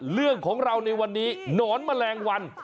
เรื่องของเราในวันนี้หนอนแมลงวัน